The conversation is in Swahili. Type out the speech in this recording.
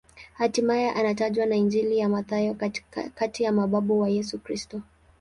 Hatimaye anatajwa na Injili ya Mathayo kati ya mababu wa Yesu Kristo.